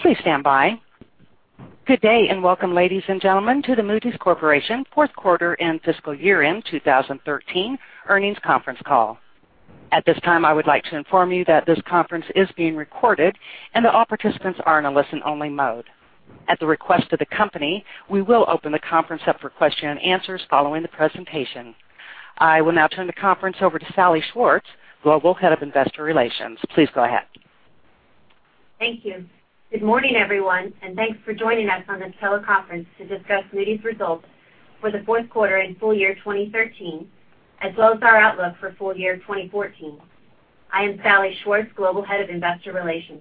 Please stand by. Good day, and welcome, ladies and gentlemen, to the Moody's Corporation fourth quarter and fiscal year-end 2013 earnings conference call. At this time, I would like to inform you that this conference is being recorded, and that all participants are in a listen-only mode. At the request of the company, we will open the conference up for question and answers following the presentation. I will now turn the conference over to Salli Schwartz, Global Head of Investor Relations. Please go ahead. Thank you. Good morning, everyone. Thanks for joining us on this teleconference to discuss Moody's results for the fourth quarter and full year 2013, as well as our outlook for full year 2014. I am Salli Schwartz, Global Head of Investor Relations.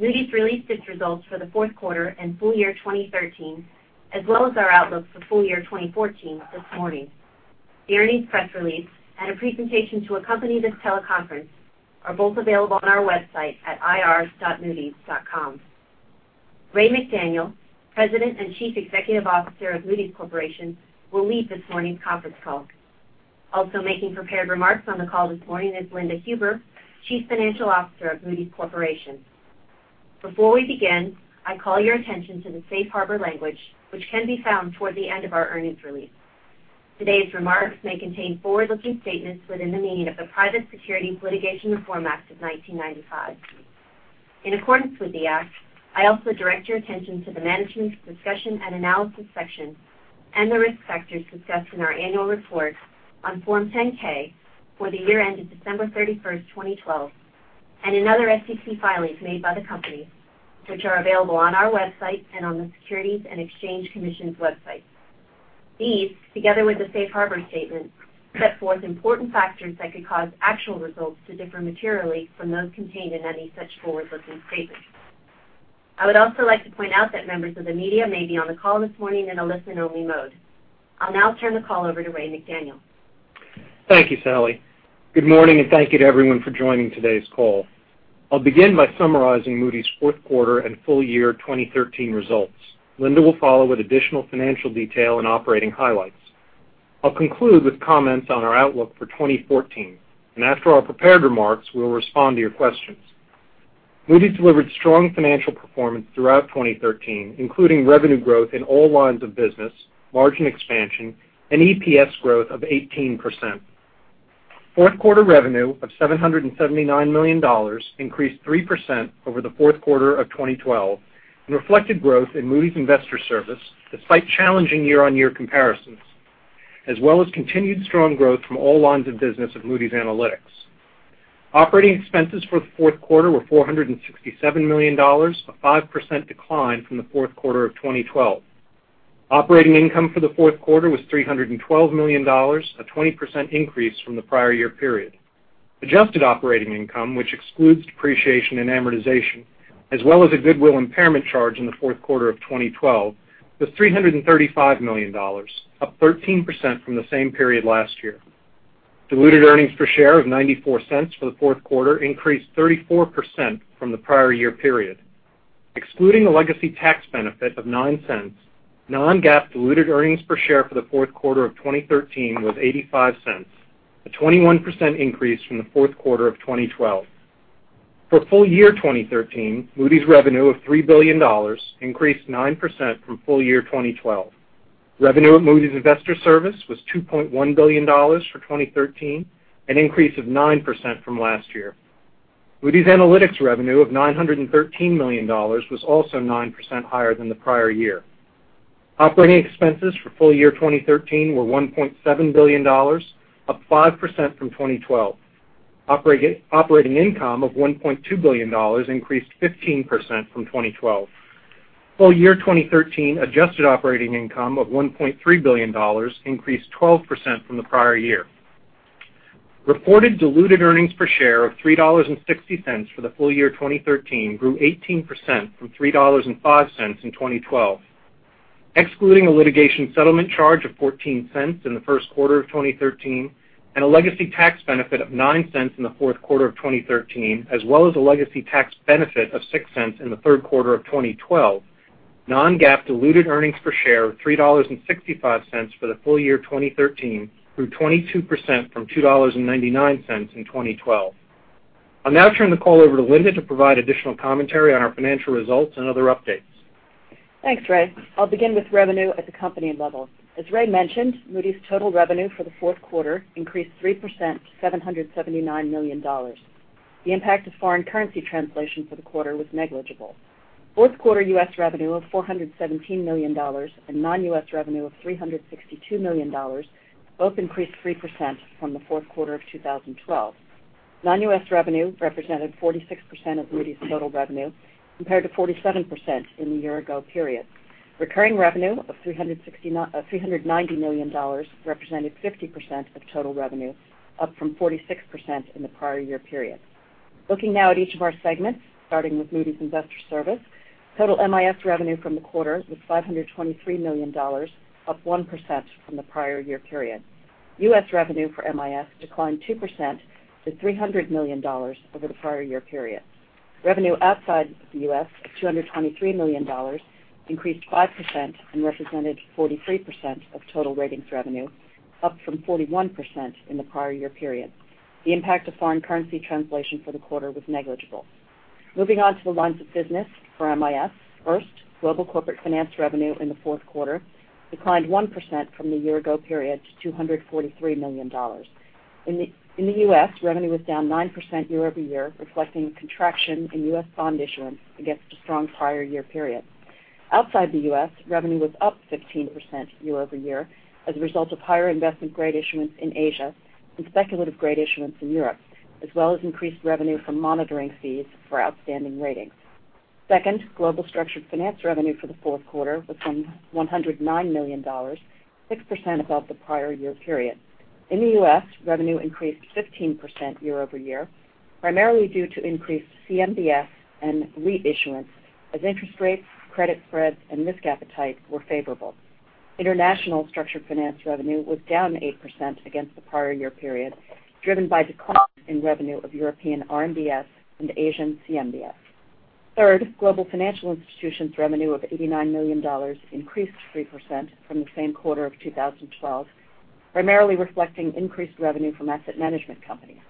Moody's released its results for the fourth quarter and full year 2013, as well as our outlook for full year 2014 this morning. The earnings press release and a presentation to accompany this teleconference are both available on our website at ir.moodys.com. Raymond McDaniel, President and Chief Executive Officer of Moody's Corporation, will lead this morning's conference call. Also making prepared remarks on the call this morning is Linda Huber, Chief Financial Officer of Moody's Corporation. Before we begin, I call your attention to the safe harbor language, which can be found toward the end of our earnings release. Today's remarks may contain forward-looking statements within the meaning of the Private Securities Litigation Reform Act of 1995. In accordance with the act, I also direct your attention to the Management's Discussion and Analysis section and the risk factors discussed in our annual report on Form 10-K for the year ended December 31st, 2012, and in other SEC filings made by the company, which are available on our website and on the Securities and Exchange Commission's website. These, together with the safe harbor statement, set forth important factors that could cause actual results to differ materially from those contained in any such forward-looking statements. I would also like to point out that members of the media may be on the call this morning in a listen-only mode. I'll now turn the call over to Raymond McDaniel. Thank you, Salli. Good morning. Thank you to everyone for joining today's call. I'll begin by summarizing Moody's fourth quarter and full year 2013 results. Linda will follow with additional financial detail and operating highlights. I'll conclude with comments on our outlook for 2014, and after our prepared remarks, we'll respond to your questions. Moody's delivered strong financial performance throughout 2013, including revenue growth in all lines of business, margin expansion, and EPS growth of 18%. Fourth quarter revenue of $779 million increased 3% over the fourth quarter of 2012 and reflected growth in Moody's Investors Service despite challenging year-on-year comparisons, as well as continued strong growth from all lines of business of Moody's Analytics. Operating expenses for the fourth quarter were $467 million, a 5% decline from the fourth quarter of 2012. Operating income for the fourth quarter was $312 million, a 20% increase from the prior year period. Adjusted operating income, which excludes depreciation and amortization, as well as a goodwill impairment charge in the fourth quarter of 2012, was $335 million, up 13% from the same period last year. Diluted earnings per share of $0.94 for the fourth quarter increased 34% from the prior year period. Excluding a legacy tax benefit of $0.09, non-GAAP diluted earnings per share for the fourth quarter of 2013 was $0.85, a 21% increase from the fourth quarter of 2012. For full year 2013, Moody's revenue of $3 billion increased 9% from full year 2012. Revenue at Moody's Investors Service was $2.1 billion for 2013, an increase of 9% from last year. Moody's Analytics revenue of $913 million was also 9% higher than the prior year. Operating expenses for full year 2013 were $1.7 billion, up 5% from 2012. Operating income of $1.2 billion increased 15% from 2012. Full year 2013 adjusted operating income of $1.3 billion increased 12% from the prior year. Reported diluted earnings per share of $3.60 for the full year 2013 grew 18% from $3.05 in 2012. Excluding a litigation settlement charge of $0.14 in the first quarter of 2013 and a legacy tax benefit of $0.09 in the fourth quarter of 2013, as well as a legacy tax benefit of $0.06 in the third quarter of 2012, non-GAAP diluted earnings per share of $3.65 for the full year 2013 grew 22% from $2.99 in 2012. I'll now turn the call over to Linda to provide additional commentary on our financial results and other updates. Thanks, Ray. I'll begin with revenue at the company level. As Ray mentioned, Moody's total revenue for the fourth quarter increased 3% to $779 million. The impact of foreign currency translation for the quarter was negligible. Fourth quarter U.S. revenue of $417 million and non-U.S. revenue of $362 million both increased 3% from the fourth quarter of 2012. Non-U.S. revenue represented 46% of Moody's total revenue, compared to 47% in the year-ago period. Recurring revenue of $390 million represented 50% of total revenue, up from 46% in the prior year period. Looking now at each of our segments, starting with Moody's Investors Service, total MIS revenue from the quarter was $523 million, up 1% from the prior year period. U.S. revenue for MIS declined 2% to $300 million over the prior year period. Revenue outside the U.S. of $223 million increased 5% and represented 43% of total ratings revenue, up from 41% in the prior year period. The impact of foreign currency translation for the quarter was negligible. Moving on to the lines of business for MIS. First, global corporate finance revenue in the fourth quarter declined 1% from the year-ago period to $243 million. In the U.S., revenue was down 9% year-over-year, reflecting contraction in U.S. bond issuance against a strong prior year period. Outside the U.S., revenue was up 15% year-over-year as a result of higher investment-grade issuance in Asia and speculative-grade issuance in Europe, as well as increased revenue from monitoring fees for outstanding ratings. Second, global structured finance revenue for the fourth quarter was $109 million, 6% above the prior year period. In the U.S., revenue increased 15% year-over-year, primarily due to increased CMBS and reissuance as interest rates, credit spreads, and risk appetite were favorable. International structured finance revenue was down 8% against the prior year period, driven by declines in revenue of European RMBS and Asian CMBS. Third, global financial institutions revenue of $89 million increased 3% from the same quarter of 2012, primarily reflecting increased revenue from asset management companies.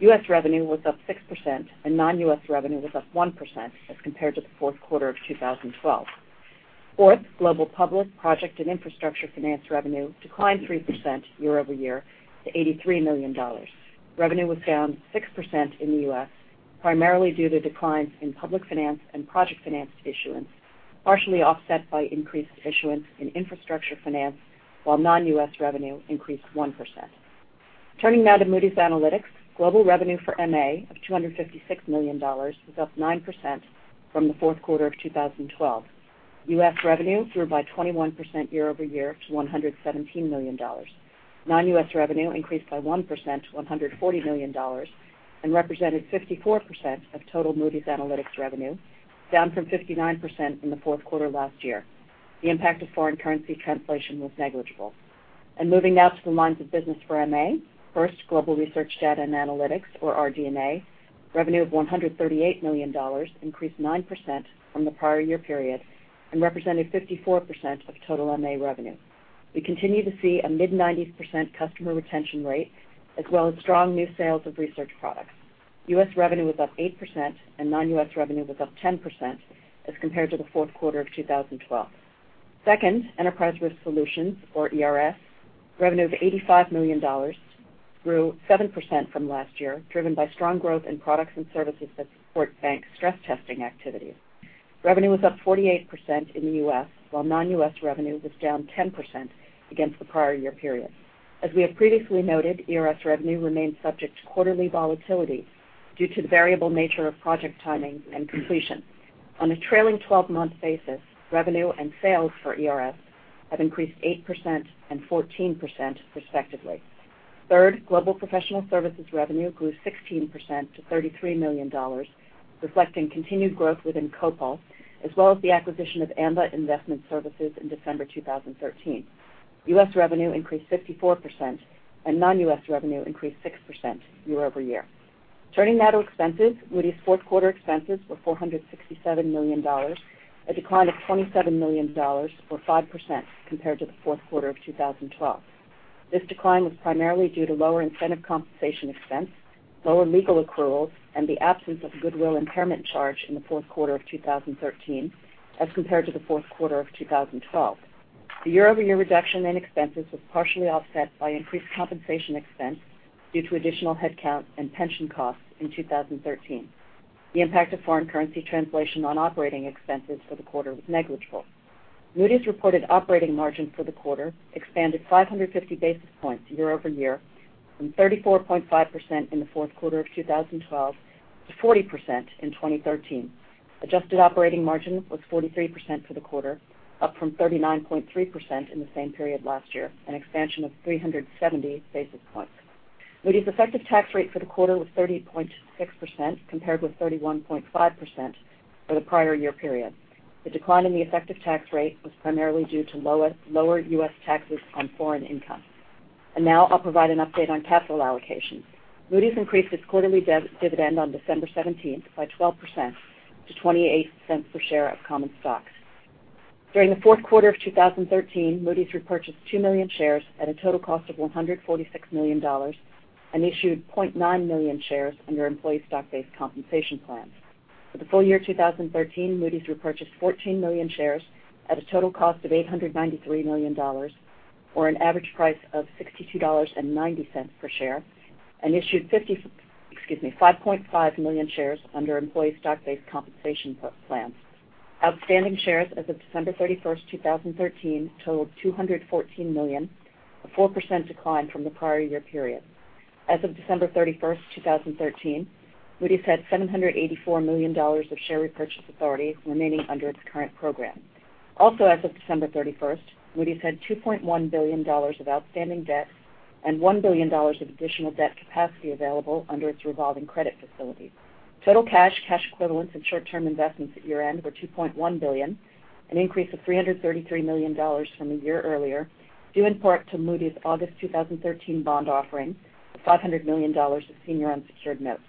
U.S. revenue was up 6%, and non-U.S. revenue was up 1% as compared to the fourth quarter of 2012. Fourth, global public project and infrastructure finance revenue declined 3% year-over-year to $83 million. Revenue was down 6% in the U.S., primarily due to declines in public finance and project finance issuance, partially offset by increased issuance in infrastructure finance, while non-U.S. revenue increased 1%. Turning now to Moody's Analytics. Global revenue for MA of $256 million was up 9% from the fourth quarter of 2012. U.S. revenue grew by 21% year-over-year to $117 million. Non-U.S. revenue increased by 1% to $140 million and represented 54% of total Moody's Analytics revenue, down from 59% in the fourth quarter last year. The impact of foreign currency translation was negligible. Moving now to the lines of business for MA. First, global research data and analytics or RD&A revenue of $138 million increased 9% from the prior year period and represented 54% of total MA revenue. We continue to see a mid-90s% customer retention rate as well as strong new sales of research products. U.S. revenue was up 8%, and non-U.S. revenue was up 10% as compared to the fourth quarter of 2012. Second, Enterprise Risk Solutions, or ERS, revenue of $85 million grew 7% from last year, driven by strong growth in products and services that support bank stress testing activities. Revenue was up 48% in the U.S., while non-U.S. revenue was down 10% against the prior year period. As we have previously noted, ERS revenue remains subject to quarterly volatility due to the variable nature of project timing and completion. On a trailing 12-month basis, revenue and sales for ERS have increased 8% and 14%, respectively. Third, global professional services revenue grew 16% to $33 million, reflecting continued growth within Copal as well as the acquisition of Amba Investment Services in December 2013. U.S. revenue increased 54%, and non-U.S. revenue increased 6% year-over-year. Turning now to expenses. Moody's fourth quarter expenses were $467 million, a decline of $27 million or 5% compared to the fourth quarter of 2012. This decline was primarily due to lower incentive compensation expense, lower legal accruals, and the absence of a goodwill impairment charge in the fourth quarter of 2013 as compared to the fourth quarter of 2012. The year-over-year reduction in expenses was partially offset by increased compensation expense due to additional headcount and pension costs in 2013. The impact of foreign currency translation on operating expenses for the quarter was negligible. Moody's reported operating margin for the quarter expanded 550 basis points year-over-year from 34.5% in the fourth quarter of 2012 to 40% in 2013. Adjusted operating margin was 43% for the quarter, up from 39.3% in the same period last year, an expansion of 370 basis points. Moody's effective tax rate for the quarter was 30.6%, compared with 31.5% for the prior year period. The decline in the effective tax rate was primarily due to lower U.S. taxes on foreign income. Now I'll provide an update on capital allocation. Moody's increased its quarterly dividend on December 17th by 12% to $0.28 per share of common stock. During the fourth quarter of 2013, Moody's repurchased 2 million shares at a total cost of $146 million and issued 0.9 million shares under employee stock-based compensation plans. For the full year 2013, Moody's repurchased 14 million shares at a total cost of $893 million, or an average price of $62.90 per share, and issued 5.5 million shares under employee stock-based compensation plans. Outstanding shares as of December 31st, 2013, totaled 214 million, a 4% decline from the prior year period. As of December 31st, 2013, Moody's had $784 million of share repurchase authority remaining under its current program. Also as of December 31st, Moody's had $2.1 billion of outstanding debt and $1 billion of additional debt capacity available under its revolving credit facility. Total cash equivalents, and short-term investments at year-end were $2.1 billion, an increase of $333 million from a year earlier, due in part to Moody's August 2013 bond offering of $500 million of senior unsecured notes.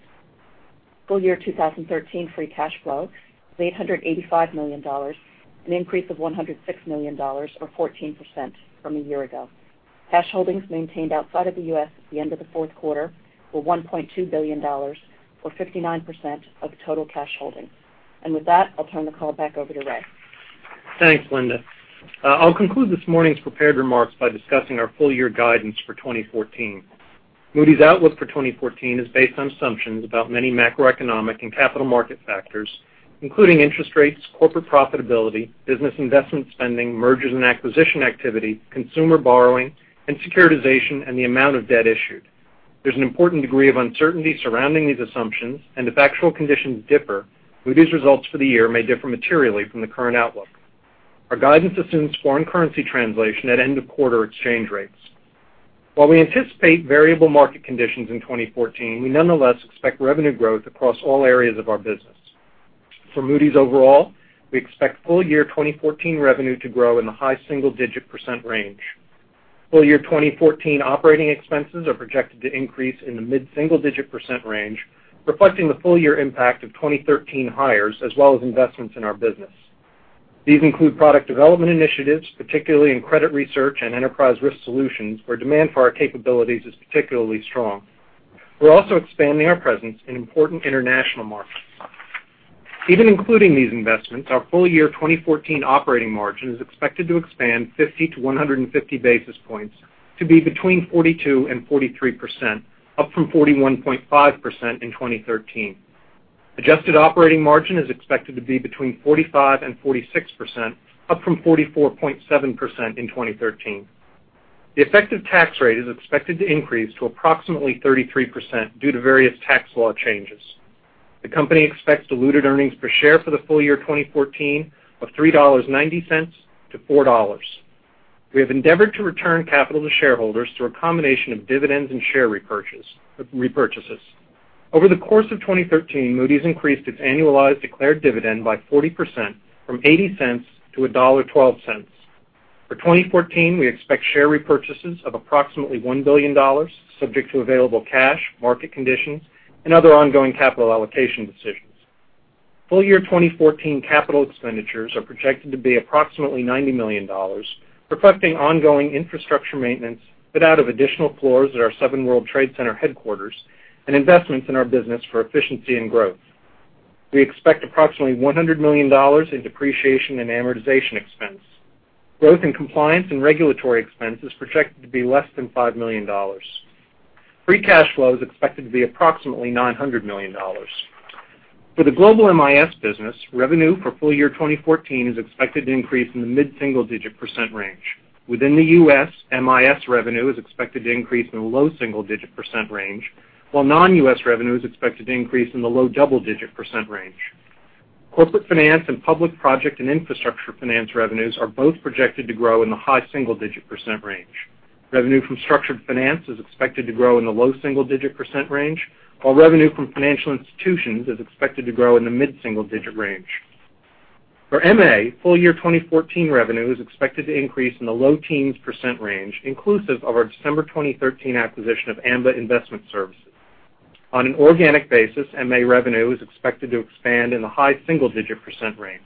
Full year 2013 free cash flow was $885 million, an increase of $106 million or 14% from a year ago. Cash holdings maintained outside of the U.S. at the end of the fourth quarter were $1.2 billion, or 59% of total cash holdings. With that, I'll turn the call back over to Ray. Thanks, Linda. I'll conclude this morning's prepared remarks by discussing our full-year guidance for 2014. Moody's outlook for 2014 is based on assumptions about many macroeconomic and capital market factors, including interest rates, corporate profitability, business investment spending, mergers and acquisition activity, consumer borrowing, and securitization and the amount of debt issued. There's an important degree of uncertainty surrounding these assumptions, and if actual conditions differ, Moody's results for the year may differ materially from the current outlook. Our guidance assumes foreign currency translation at end-of-quarter exchange rates. While we anticipate variable market conditions in 2014, we nonetheless expect revenue growth across all areas of our business. For Moody's overall, we expect full-year 2014 revenue to grow in the high single-digit percent range. Full-year 2014 operating expenses are projected to increase in the mid-single digit % range, reflecting the full-year impact of 2013 hires as well as investments in our business. These include product development initiatives, particularly in credit research and Enterprise Risk Solutions, where demand for our capabilities is particularly strong. We're also expanding our presence in important international markets. Even including these investments, our full-year 2014 operating margin is expected to expand 50-150 basis points to be between 42% and 43%, up from 41.5% in 2013. Adjusted operating margin is expected to be between 45% and 46%, up from 44.7% in 2013. The effective tax rate is expected to increase to approximately 33% due to various tax law changes. The company expects diluted earnings per share for the full year 2014 of $3.90-$4. We have endeavored to return capital to shareholders through a combination of dividends and share repurchases. Over the course of 2013, Moody's increased its annualized declared dividend by 40%, from $0.80 to $1.12. For 2014, we expect share repurchases of approximately $1 billion, subject to available cash, market conditions, and other ongoing capital allocation decisions. Full-year 2014 capital expenditures are projected to be approximately $90 million, reflecting ongoing infrastructure maintenance, fit out of additional floors at our Seven World Trade Center headquarters, and investments in our business for efficiency and growth. We expect approximately $100 million in depreciation and amortization expense. Growth in compliance and regulatory expense is projected to be less than $5 million. Free cash flow is expected to be approximately $900 million. For the Global MIS business, revenue for full-year 2014 is expected to increase in the mid-single digit % range. Within the U.S., MIS revenue is expected to increase in the low double digit % range. Corporate finance and public project and infrastructure finance revenues are both projected to grow in the high single digit % range. Revenue from structured finance is expected to grow in the low single digit % range, while revenue from financial institutions is expected to grow in the mid-single digit % range. For MA, full-year 2014 revenue is expected to increase in the low teens % range, inclusive of our December 2013 acquisition of Amba Investment Services. On an organic basis, MA revenue is expected to expand in the high single digit % range.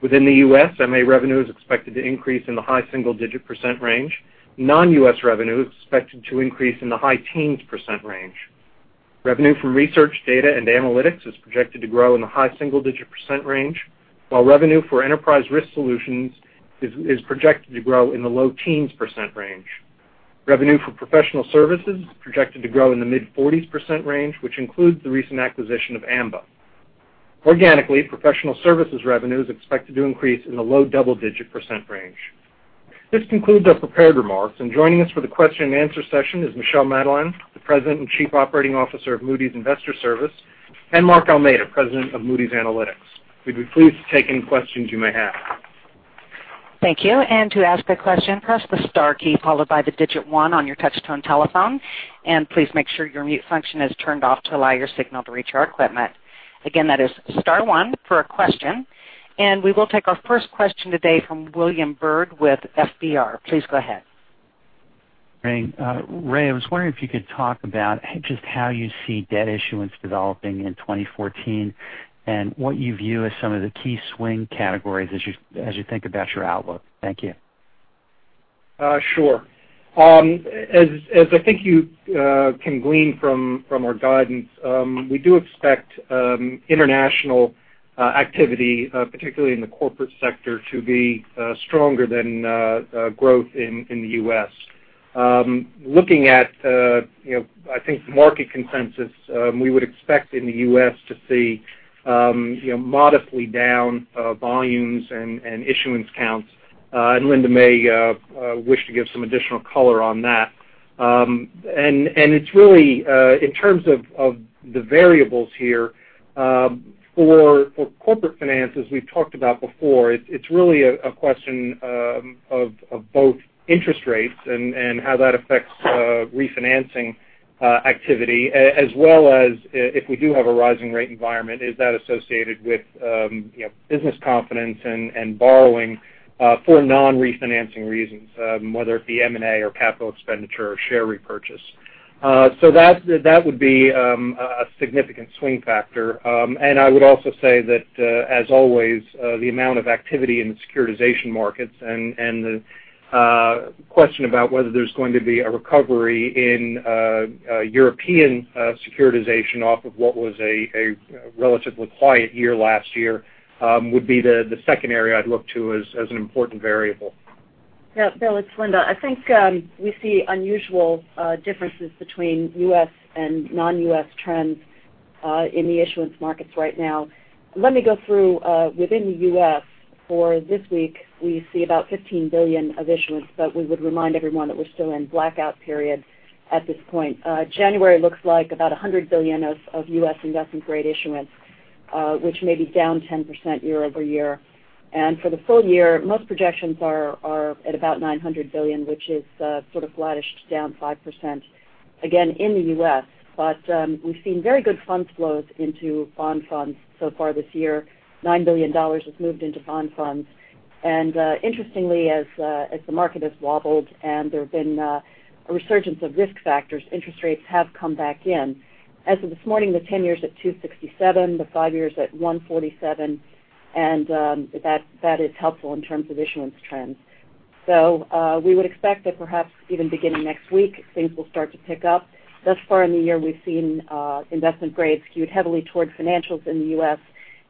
Within the U.S., MA revenue is expected to increase in the high single digit % range. Non-U.S. revenue is expected to increase in the high teens % range. Revenue from research data and analytics is projected to grow in the high single digit % range, while revenue for Enterprise Risk Solutions is projected to grow in the low teens % range. Revenue for professional services is projected to grow in the mid-40s % range, which includes the recent acquisition of Amba. Organically, professional services revenue is expected to increase in the low double digit % range. This concludes our prepared remarks, and joining us for the question and answer session is Michel Madelain, the President and Chief Operating Officer of Moody's Investors Service, and Mark Almeida, President of Moody's Analytics. We'd be pleased to take any questions you may have. Thank you. To ask a question, press the star key followed by the digit 1 on your touch-tone telephone, and please make sure your mute function is turned off to allow your signal to reach our equipment. Again, that is star 1 for a question, and we will take our first question today from William Bird with FBR. Please go ahead. Ray, I was wondering if you could talk about just how you see debt issuance developing in 2014 and what you view as some of the key swing categories as you think about your outlook. Thank you. Sure. As I think you can glean from our guidance, we do expect international activity, particularly in the corporate sector, to be stronger than growth in the U.S. Looking at the market consensus, we would expect in the U.S. to see modestly down volumes and issuance counts, and Linda may wish to give some additional color on that. It's really, in terms of the variables here, for corporate finance, as we've talked about before, it's really a question of both interest rates and how that affects refinancing activity, as well as if we do have a rising rate environment, is that associated with business confidence and borrowing for non-refinancing reasons, whether it be M&A or capital expenditure or share repurchase. That would be a significant swing factor. I would also say that, as always, the amount of activity in the securitization markets and the question about whether there's going to be a recovery in European securitization off of what was a relatively quiet year last year would be the second area I'd look to as an important variable. Bill, it's Linda. I think we see unusual differences between U.S. and non-U.S. trends in the issuance markets right now. Let me go through within the U.S. for this week, we see about $15 billion of issuance, but we would remind everyone that we're still in blackout period at this point. January looks like about $100 billion of U.S. investment-grade issuance, which may be down 10% year-over-year. For the full year, most projections are at about $900 billion, which is sort of flattish, down 5%, again, in the U.S. We've seen very good funds flows into bond funds so far this year. $9 billion has moved into bond funds. Interestingly, as the market has wobbled and there have been a resurgence of risk factors, interest rates have come back in. As of this morning, the 10-year's at 2.67%, the five-year's at 1.47%, that is helpful in terms of issuance trends. We would expect that perhaps even beginning next week, things will start to pick up. Thus far in the year, we've seen investment grade skewed heavily towards financials in the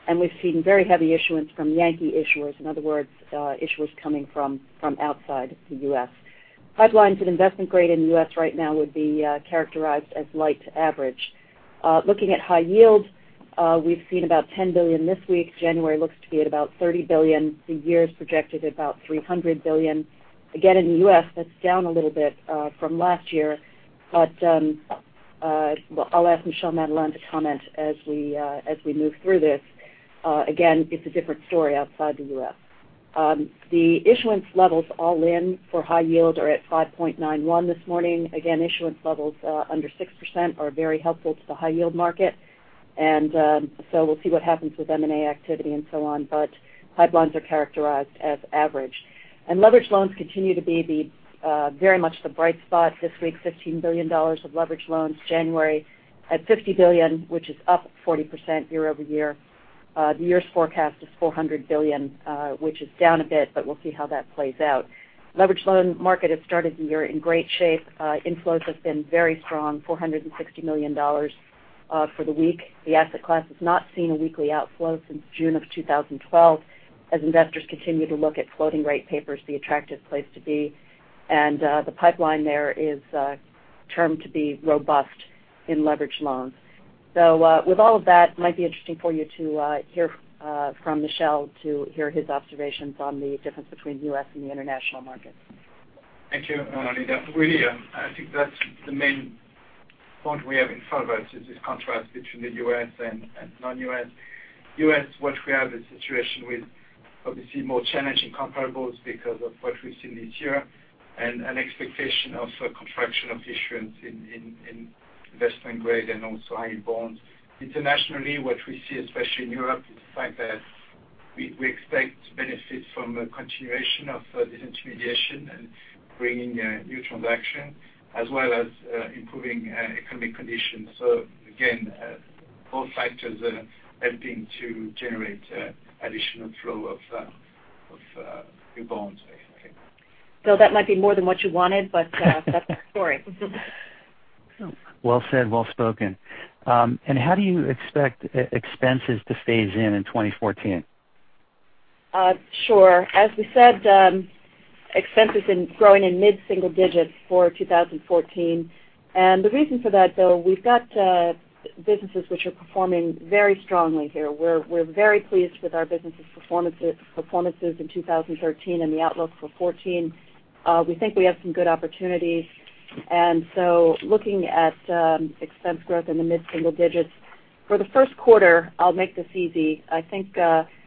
U.S., we've seen very heavy issuance from Yankee issuers. In other words, issuers coming from outside the U.S. Pipelines at investment grade in the U.S. right now would be characterized as light to average. Looking at high yield, we've seen about $10 billion this week. January looks to be at about $30 billion. The year is projected at about $300 billion. Again, in the U.S., that's down a little bit from last year. I'll ask Michel Madelain to comment as we move through this. Again, it's a different story outside the U.S. The issuance levels all in for high yield are at 5.91% this morning. Again, issuance levels under 6% are very helpful to the high yield market. We'll see what happens with M&A activity and so on, pipelines are characterized as average. Leveraged loans continue to be very much the bright spot this week, $15 billion of leveraged loans. January at $50 billion, which is up 40% year-over-year. The year's forecast is $400 billion, which is down a bit, we'll see how that plays out. Leveraged loan market has started the year in great shape. Inflows have been very strong, $460 million for the week. The asset class has not seen a weekly outflow since June 2012, as investors continue to look at floating rate papers, the attractive place to be. The pipeline there is termed to be robust in leveraged loans. With all of that, it might be interesting for you to hear from Michel, to hear his observations on the difference between U.S. and the international markets. Thank you, Linda. Really, I think that's the main point we have in front of us is this contrast between the U.S. and non-U.S. U.S., what we have is a situation with obviously more challenging comparables because of what we've seen this year, and an expectation of a contraction of issuance in investment grade and also high yield bonds. Internationally, what we see, especially in Europe, is the fact that we expect benefits from a continuation of disintermediation and bringing new transaction, as well as improving economic conditions. Again, both factors are helping to generate additional flow of new bonds, I think. Bill, that might be more than what you wanted, that's the story. Well said, well spoken. How do you expect expenses to phase in in 2014? Sure. As we said, expenses growing in mid-single digits for 2014. The reason for that, though, we've got businesses which are performing very strongly here. We're very pleased with our businesses' performances in 2013 and the outlook for 2014. We think we have some good opportunities. So looking at expense growth in the mid-single digits. For the first quarter, I'll make this easy. I think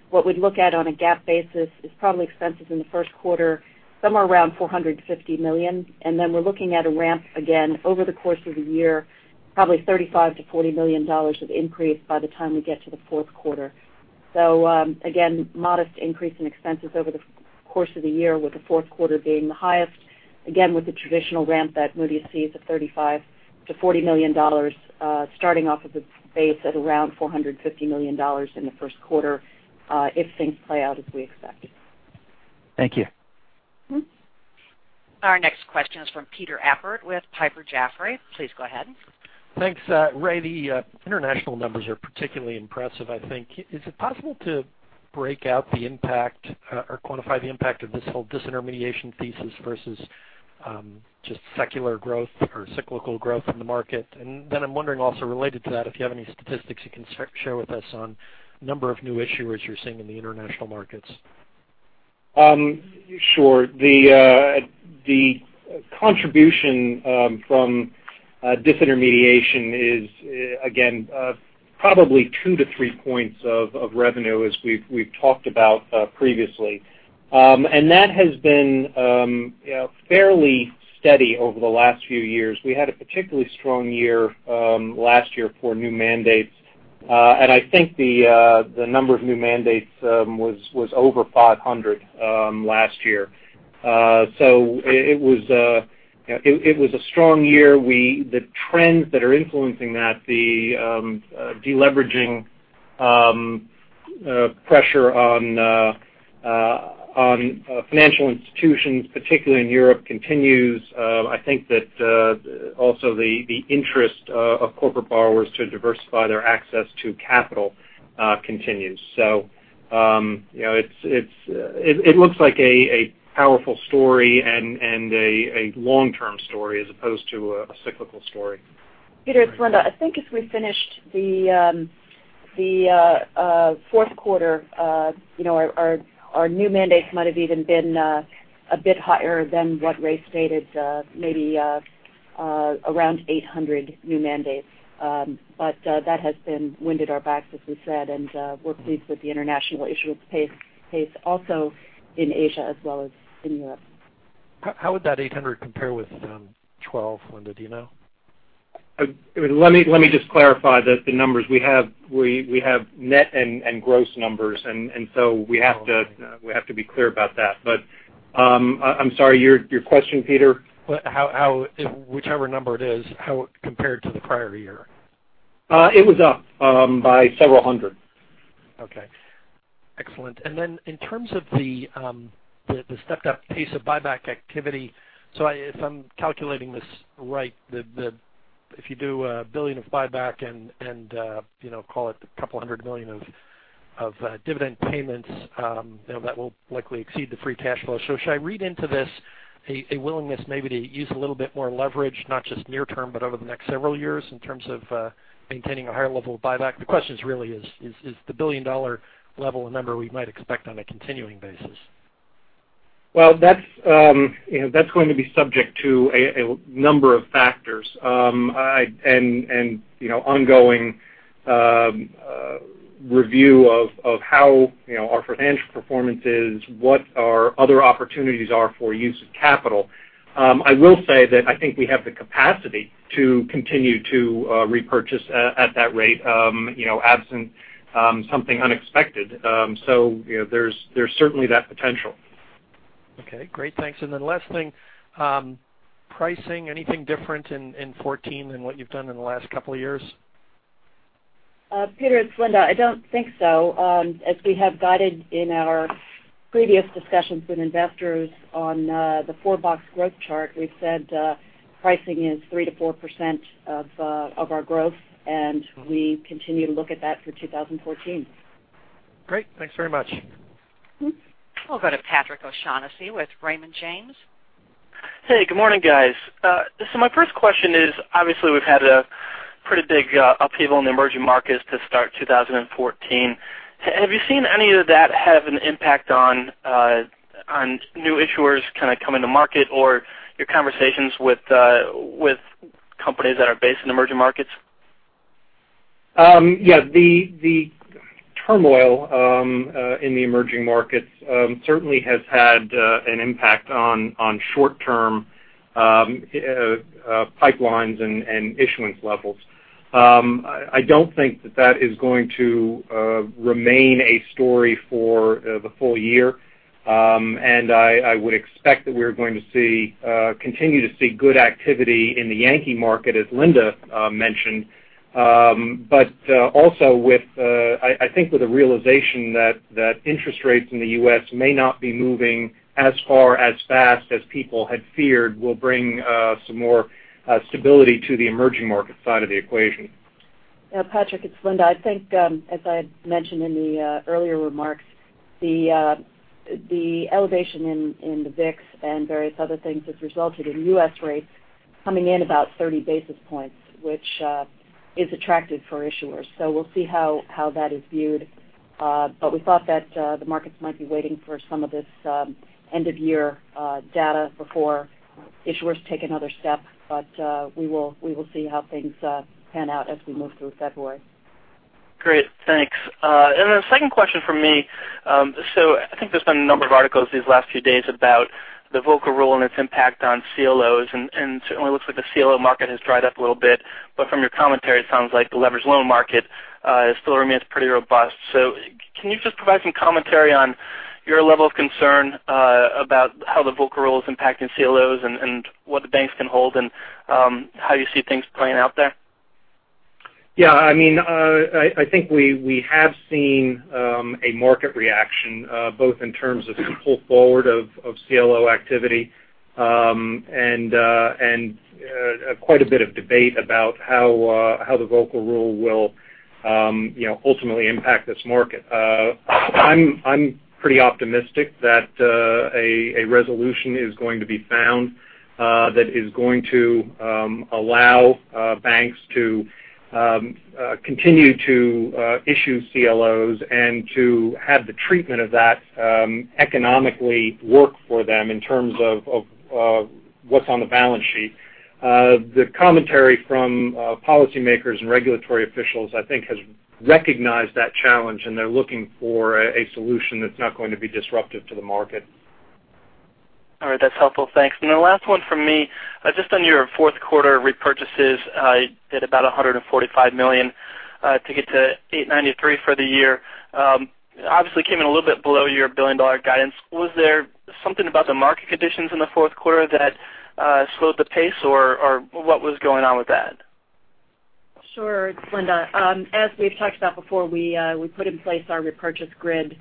what we'd look at on a GAAP basis is probably expenses in the first quarter, somewhere around $450 million. Then we're looking at a ramp again over the course of the year, probably $35 million-$40 million of increase by the time we get to the fourth quarter. Again, modest increase in expenses over the course of the year with the fourth quarter being the highest, again, with the traditional ramp that Moody's sees of $35 million to $40 million, starting off of the base at around $450 million in the first quarter, if things play out as we expect. Thank you. Our next question is from Peter Appert with Piper Jaffray. Please go ahead. Thanks. Ray, the international numbers are particularly impressive, I think. Is it possible to break out the impact or quantify the impact of this whole disintermediation thesis versus just secular growth or cyclical growth in the market? Then I'm wondering also related to that, if you have any statistics you can share with us on number of new issuers you're seeing in the international markets. Sure. The contribution from disintermediation is, again, probably two to three points of revenue, as we've talked about previously. That has been fairly steady over the last few years. We had a particularly strong year last year for new mandates. I think the number of new mandates was over 500 last year. It was a strong year. The trends that are influencing that, the de-leveraging pressure on financial institutions, particularly in Europe, continues. I think that also the interest of corporate borrowers to diversify their access to capital continues. It looks like a powerful story and a long-term story as opposed to a cyclical story. Peter, it's Linda. I think as we finished the fourth quarter, our new mandates might have even been a bit higher than what Ray stated, maybe around 800 new mandates. That has been wind at our backs, as we said, and we're pleased with the international issuance pace also in Asia as well as in Europe. How would that 800 compare with 2012, Linda? Do you know? Let me just clarify the numbers. We have net and gross numbers, and so we have to be clear about that. I'm sorry, your question, Peter? Whichever number it is, how it compared to the prior year. It was up by several hundred. Okay. Excellent. Then in terms of the stepped-up pace of buyback activity, if I'm calculating this right, if you do $1 billion of buyback and call it $200 million of dividend payments that will likely exceed the free cash flow. Should I read into this a willingness maybe to use a little bit more leverage, not just near term, but over the next several years in terms of maintaining a higher level of buyback? The question really is the $1 billion level a number we might expect on a continuing basis? Well, that's going to be subject to a number of factors. Ongoing review of how our financial performance is, what our other opportunities are for use of capital. I will say that I think we have the capacity to continue to repurchase at that rate absent something unexpected. There's certainly that potential. Okay. Great. Thanks. Last thing. Pricing, anything different in 2014 than what you've done in the last couple of years? Peter, it's Linda. I don't think so. As we have guided in our previous discussions with investors on the four-box growth chart, we've said pricing is 3%-4% of our growth, and we continue to look at that for 2014. Great. Thanks very much. We'll go to Patrick O'Shaughnessy with Raymond James. Hey, good morning, guys. My first question is, obviously, we've had a pretty big upheaval in the emerging markets to start 2014. Have you seen any of that have an impact on new issuers kind of coming to market or your conversations with companies that are based in emerging markets? Yeah. The turmoil in the emerging markets certainly has had an impact on short-term pipelines and issuance levels. I don't think that that is going to remain a story for the full year. I would expect that we're going to continue to see good activity in the Yankee market, as Linda mentioned. Also I think with the realization that interest rates in the U.S. may not be moving as far as fast as people had feared will bring some more stability to the emerging market side of the equation. Patrick, it's Linda. I think as I had mentioned in the earlier remarks, the elevation in the VIX and various other things has resulted in U.S. rates coming in about 30 basis points, which is attractive for issuers. We'll see how that is viewed. We thought that the markets might be waiting for some of this end-of-year data before issuers take another step. We will see how things pan out as we move through February. Great. Thanks. Then a second question from me. I think there's been a number of articles these last few days about the Volcker Rule and its impact on CLOs, it certainly looks like the CLO market has dried up a little bit. From your commentary, it sounds like the leveraged loan market still remains pretty robust. Can you just provide some commentary on your level of concern about how the Volcker Rule is impacting CLOs and what the banks can hold and how you see things playing out there? Yeah. I think we have seen a market reaction both in terms of pull forward of CLO activity and quite a bit of debate about how the Volcker Rule will ultimately impact this market. I'm pretty optimistic that a resolution is going to be found that is going to allow banks to continue to issue CLOs and to have the treatment of that economically work for them in terms of what's on the balance sheet. The commentary from policymakers and regulatory officials, I think, has recognized that challenge, and they're looking for a solution that's not going to be disruptive to the market. The last one from me, just on your fourth quarter repurchases, at about $145 million, to get to $893 for the year. Obviously came in a little bit below your billion-dollar guidance. Was there something about the market conditions in the fourth quarter that slowed the pace, or what was going on with that? Sure. It's Linda. As we've talked about before, we put in place our repurchase grid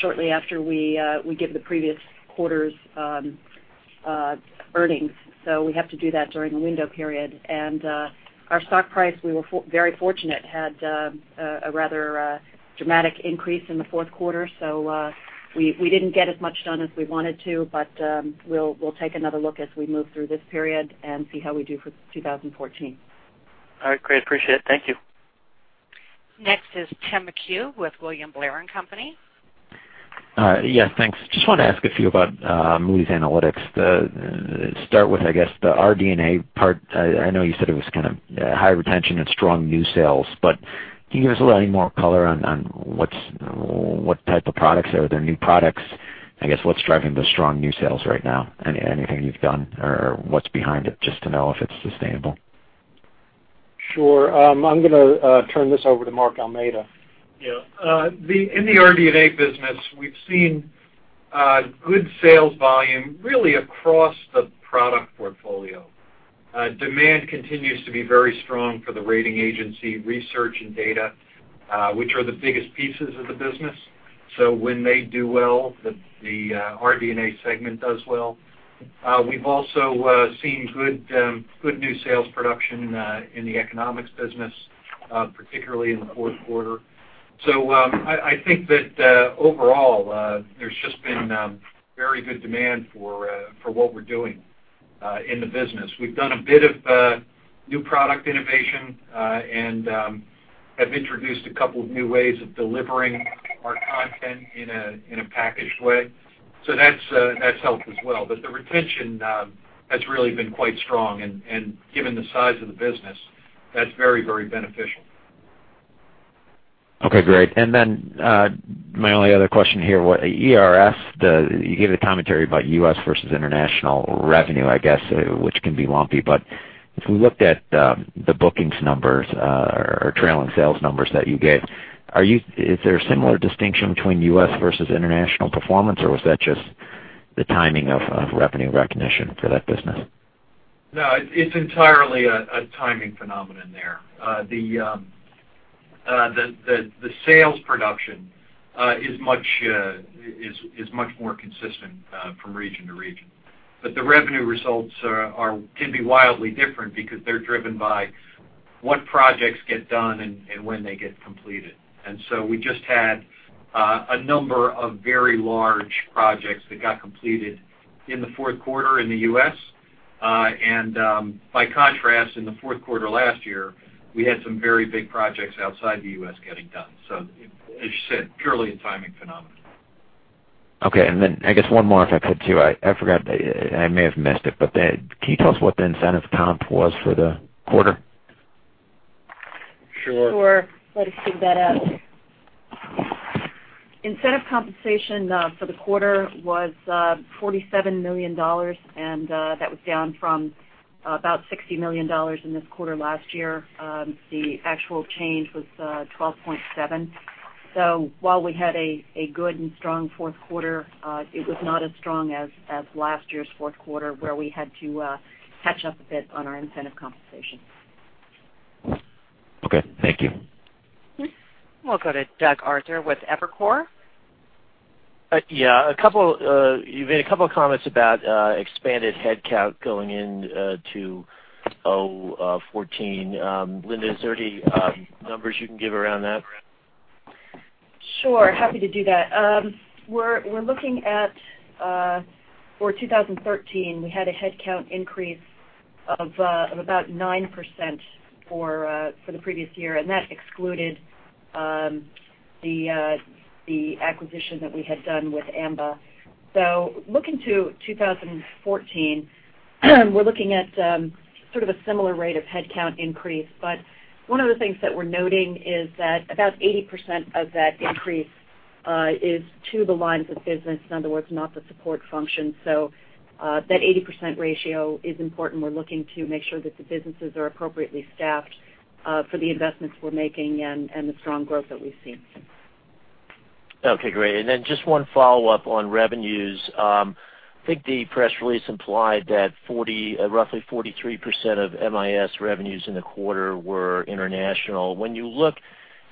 shortly after we give the previous quarter's earnings. We have to do that during the window period. Our stock price, we were very fortunate, had a rather dramatic increase in the fourth quarter, we didn't get as much done as we wanted to. We'll take another look as we move through this period and see how we do for 2014. All right, great. Appreciate it. Thank you. Next is Timothy McHugh with William Blair & Company. All right. Yeah, thanks. Just wanted to ask a few about Moody's Analytics. To start with, I guess, the RD&A part, I know you said it was kind of high retention and strong new sales. Can you give us a little more color on what type of products? Are there new products? I guess, what's driving the strong new sales right now? Anything you've done or what's behind it, just to know if it's sustainable? Sure. I'm going to turn this over to Mark Almeida. Yeah. In the RD&A business, we've seen good sales volume really across the product portfolio. Demand continues to be very strong for the rating agency research and data, which are the biggest pieces of the business. When they do well, the RD&A segment does well. We've also seen good new sales production in the economics business, particularly in the fourth quarter. I think that overall, there's just been very good demand for what we're doing in the business. We've done a bit of new product innovation, and have introduced a couple of new ways of delivering our content in a packaged way. That's helped as well. The retention has really been quite strong, and given the size of the business, that's very beneficial. Okay, great. My only other question here, ERS, you gave the commentary about U.S. versus international revenue, I guess, which can be lumpy, if we looked at the bookings numbers or trailing sales numbers that you gave, is there a similar distinction between U.S. versus international performance, or was that just the timing of revenue recognition for that business? No, it's entirely a timing phenomenon there. The sales production is much more consistent from region to region. The revenue results can be wildly different because they're driven by what projects get done and when they get completed. We just had a number of very large projects that got completed in the fourth quarter in the U.S. By contrast, in the fourth quarter last year, we had some very big projects outside the U.S. getting done. As you said, purely a timing phenomenon. Okay. I guess one more if I could too. I forgot, and I may have missed it, can you tell us what the incentive comp was for the quarter? Sure. Sure. Let me dig that out. Incentive compensation for the quarter was $47 million, that was down from about $60 million in this quarter last year. The actual change was 12.7. While we had a good and strong fourth quarter, it was not as strong as last year's fourth quarter, where we had to catch up a bit on our incentive compensation. Okay, thank you. We'll go to Doug Arthur with Evercore. Yeah. You've made a couple of comments about expanded headcount going into 2014. Linda, is there any numbers you can give around that? Sure. Happy to do that. We're looking at for 2013, we had a headcount increase of about 9% for the previous year, and that excluded the acquisition that we had done with Amba. Looking to 2014, we're looking at sort of a similar rate of headcount increase. One of the things that we're noting is that about 80% of that increase is to the lines of business. In other words, not the support function. That 80% ratio is important. We're looking to make sure that the businesses are appropriately staffed for the investments we're making and the strong growth that we've seen. Okay, great. Just one follow-up on revenues. I think the press release implied that roughly 43% of MIS revenues in the quarter were international. When you look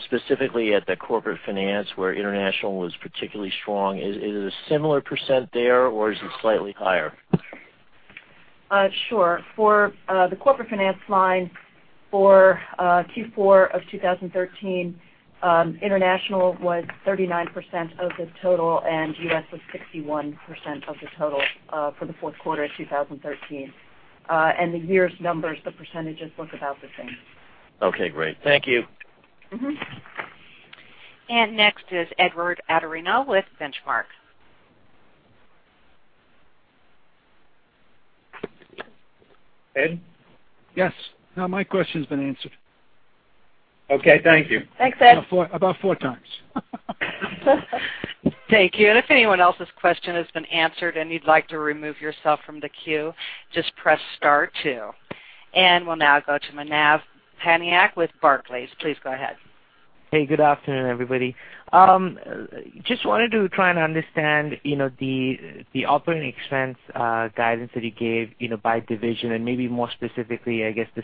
specifically at the corporate finance, where international was particularly strong, is it a similar % there, or is it slightly higher? Sure. For the corporate finance line for Q4 of 2013, international was 39% of the total, and U.S. was 61% of the total for the fourth quarter of 2013. The year's numbers, the % look about the same. Okay, great. Thank you. Next is Edward Atorino with Benchmark. Ed? Yes. No, my question's been answered. Okay. Thank you. Thanks, Ed. About four times. Thank you. If anyone else's question has been answered and you'd like to remove yourself from the queue, just press star two. We'll now go to Manav Patnaik with Barclays. Please go ahead. Hey, good afternoon, everybody. Just wanted to try and understand the operating expense guidance that you gave by division and maybe more specifically, I guess the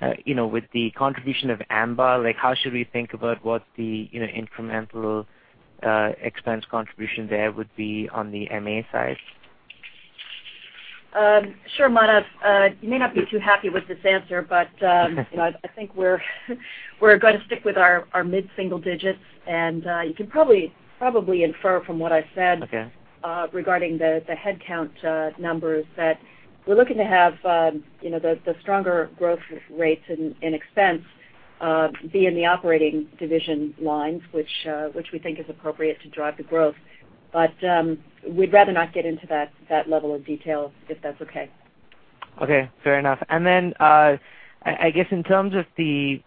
skew, with the contribution of Amba. How should we think about what the incremental expense contribution there would be on the MA side? Sure, Manav. You may not be too happy with this answer, I think we're going to stick with our mid-single digits. You can probably infer from what I said. Okay regarding the headcount numbers that we're looking to have the stronger growth rates in expense be in the operating division lines, which we think is appropriate to drive the growth. We'd rather not get into that level of detail, if that's okay. Okay. Fair enough. I guess in terms of the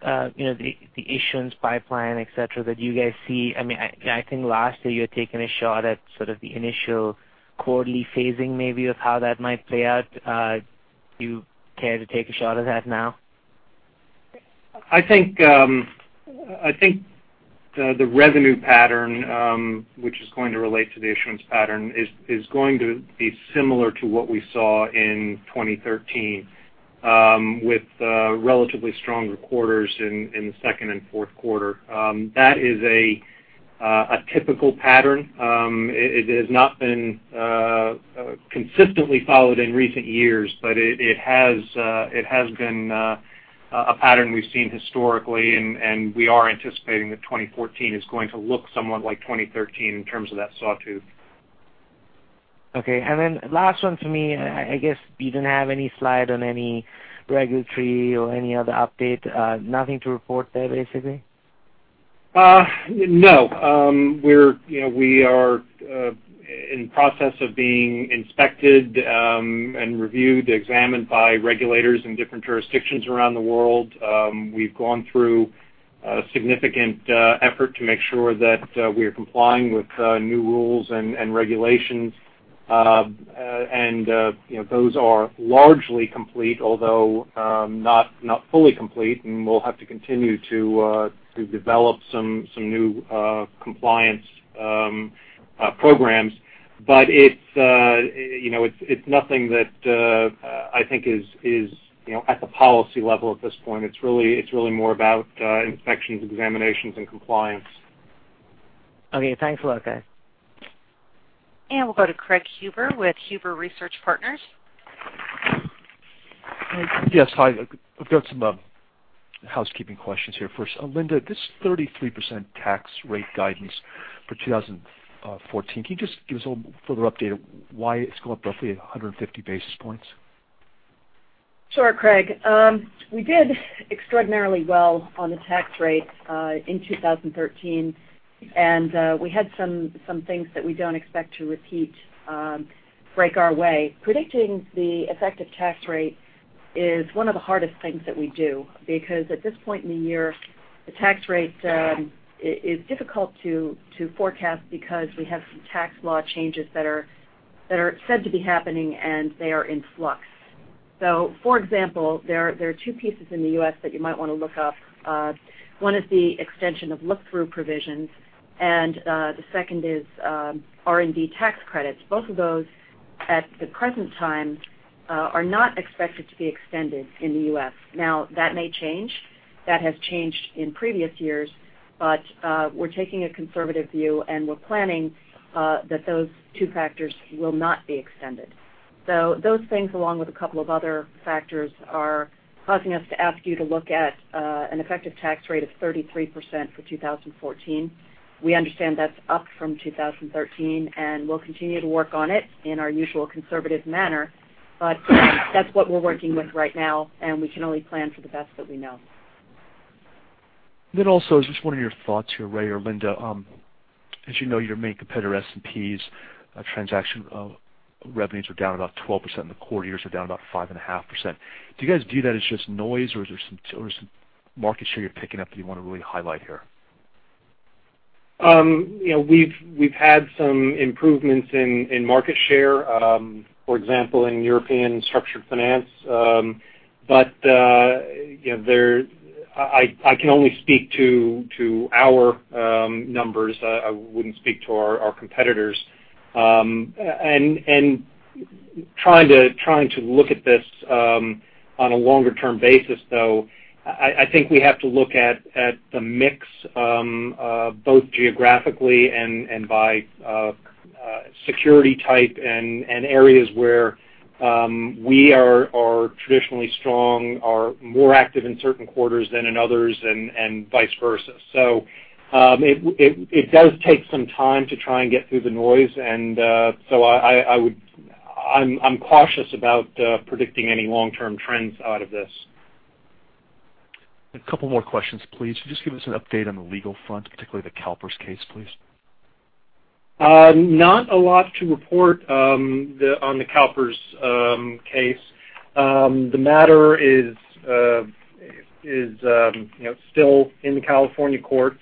issuance pipeline, et cetera, that you guys see, I think last year you had taken a shot at sort of the initial quarterly phasing maybe of how that might play out. Do you care to take a shot at that now? I think the revenue pattern, which is going to relate to the issuance pattern, is going to be similar to what we saw in 2013, with relatively stronger quarters in the second and fourth quarter. That is a typical pattern. It has not been consistently followed in recent years, but it has been a pattern we've seen historically, and we are anticipating that 2014 is going to look somewhat like 2013 in terms of that sawtooth. Okay. Last one for me. I guess you didn't have any slide on any regulatory or any other update. Nothing to report there, basically? No. We are in process of being inspected and reviewed, examined by regulators in different jurisdictions around the world. We've gone through a significant effort to make sure that we're complying with new rules and regulations. Those are largely complete, although not fully complete, and we'll have to continue to develop some new compliance programs. It's nothing that I think is at the policy level at this point. It's really more about inspections, examinations, and compliance. Okay. Thanks a lot, guys. We'll go to Craig Huber with Huber Research Partners. Craig? Yes. Hi. I've got some housekeeping questions here. First, Linda, this 33% tax rate guidance for 2014, can you just give us a little further update of why it's gone up roughly 150 basis points? Sure, Craig. We did extraordinarily well on the tax rate in 2013, and we had some things that we don't expect to repeat break our way. Predicting the effective tax rate is one of the hardest things that we do because at this point in the year, the tax rate is difficult to forecast because we have some tax law changes that are said to be happening, and they are in flux. For example, there are two pieces in the U.S. that you might want to look up. One is the extension of look-through provisions, and the second is R&D tax credits. Both of those, at the present time, are not expected to be extended in the U.S. That may change. That has changed in previous years. We're taking a conservative view, and we're planning that those two factors will not be extended. Those things, along with a couple of other factors, are causing us to ask you to look at an effective tax rate of 33% for 2014. We understand that's up from 2013, and we'll continue to work on it in our usual conservative manner. That's what we're working with right now, and we can only plan for the best that we know. Also, just what are your thoughts here, Ray or Linda. As you know, your main competitor, S&P's transaction revenues were down about 12% in the quarter. Yours are down about 5.5%. Do you guys view that as just noise, or is there some market share you're picking up that you want to really highlight here? We've had some improvements in market share, for example, in European structured finance. I can only speak to our numbers. I wouldn't speak to our competitors. Trying to look at this on a longer-term basis, though, I think we have to look at the mix both geographically and by security type and areas where we are traditionally strong, are more active in certain quarters than in others, and vice versa. It does take some time to try and get through the noise, and so I'm cautious about predicting any long-term trends out of this. A couple more questions, please. Could you just give us an update on the legal front, particularly the CalPERS case, please? Not a lot to report on the CalPERS case. The matter is still in the California courts.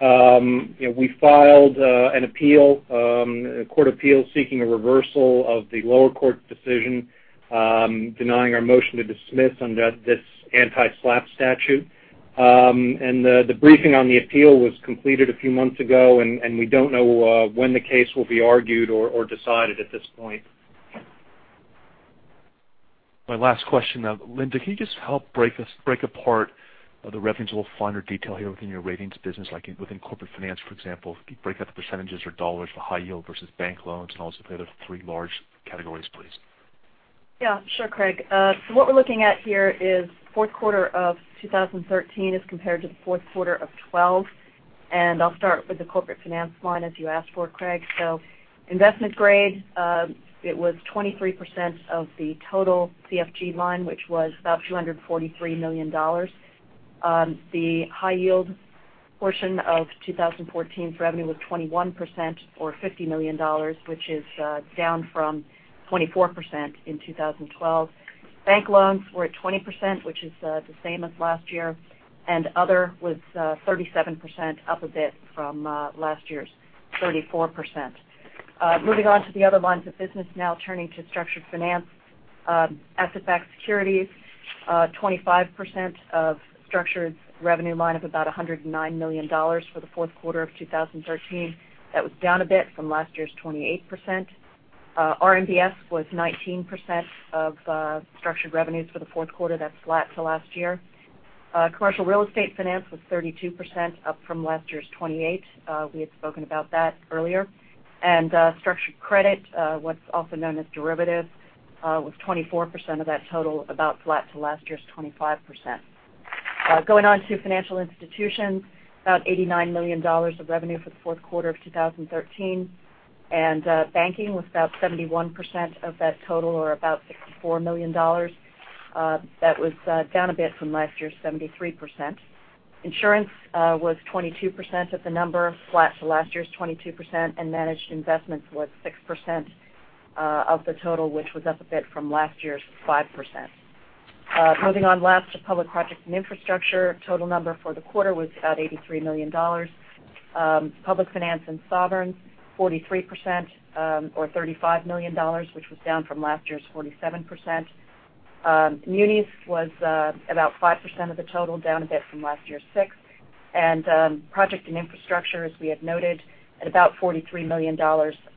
We filed a court appeal seeking a reversal of the lower court's decision, denying our motion to dismiss under this anti-SLAPP statute. The briefing on the appeal was completed a few months ago, and we don't know when the case will be argued or decided at this point. My last question. Linda, can you just help break apart the revenues, a little finer detail here within your ratings business, like within corporate finance, for example. Could you break out the percentages or dollars for high yield versus bank loans, and also the other three large categories, please? Sure, Craig. What we're looking at here is fourth quarter of 2013 as compared to the fourth quarter of 2012, and I'll start with the corporate finance line, as you asked for, Craig. Investment grade, it was 23% of the total CFG line, which was about $243 million. The high yield portion of 2014's revenue was 21%, or $50 million, which is down from 24% in 2012. Bank loans were at 20%, which is the same as last year, and other was 37%, up a bit from last year's 34%. Moving on to the other lines of business now, turning to structured finance. Asset-backed securities, 25% of structured revenue line of about $109 million for the fourth quarter of 2013. That was down a bit from last year's 28%. RMBS was 19% of structured revenues for the fourth quarter. That's flat to last year. Commercial real estate finance was 32%, up from last year's 28%. We had spoken about that earlier. Structured credit, what's also known as derivative, was 24% of that total, about flat to last year's 25%. Going on to financial institutions. About $89 million of revenue for the fourth quarter of 2013, and banking was about 71% of that total, or about $64 million. That was down a bit from last year's 73%. Insurance was 22% of the number, flat to last year's 22%, and managed investments was 6% of the total, which was up a bit from last year's 5%. Moving on last to public projects and infrastructure. Total number for the quarter was about $83 million. Public finance and sovereign, 43%, or $35 million, which was down from last year's 47%. Munis was about 5% of the total, down a bit from last year's 6%. project and infrastructure, as we had noted, at about $43 million,